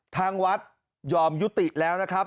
ทางวัดยอมยุติแล้วนะครับ